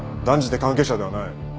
断じて関係者ではない。